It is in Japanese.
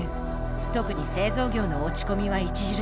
特に製造業の落ち込みは著しかった。